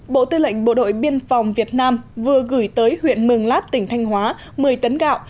bộ tư lệnh bộ đội biên phòng việt nam vừa gửi tới huyện mường lát tỉnh thanh hóa một mươi tấn gạo